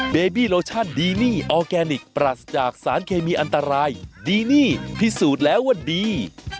เบบี้โลชั่นดีนี่ออร์แกนิคปรัสจากสารเคมีอันตรายดีนี่พิสูจน์แล้วว่าดี